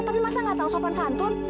tapi masa nggak tahu sopan santun